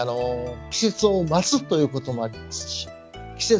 季節を待つということもありますし。